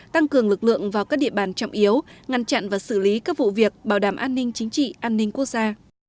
tăng cường lực lượng vào các địa bàn trọng yếu ngăn chặn và xử lý các vụ việc bảo đảm an ninh chính trị an ninh quốc gia